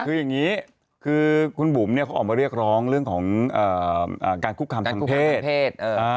คืออย่างนี้คือคุณบุ๋มเนี่ยเขาออกมาเรียกร้องเรื่องของการคุกคามทางเพศ